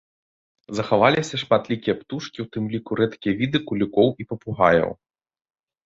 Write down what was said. Захаваліся шматлікія птушкі, у тым ліку рэдкія віды кулікоў і папугаяў.